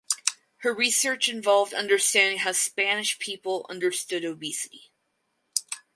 Her research involved understanding how Spanish people understood obesity.